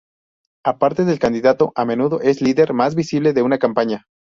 Aparte del candidato, a menudo es el líder más visible de una campaña.